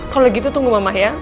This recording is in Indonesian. kalau gitu tunggu mama ya